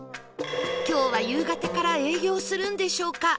今日は夕方から営業するんでしょうか？